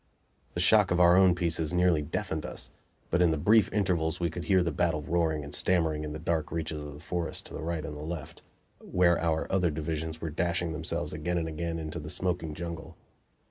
The shock of our own pieces nearly deafened us, but in the brief intervals we could hear the battle roaring and stammering in the dark reaches of the forest to the right and left, where our other divisions were dashing themselves again and again into the smoking jungle.